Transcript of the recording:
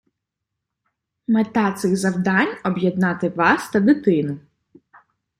Мета цих завдань – об'єднати вас та дитину.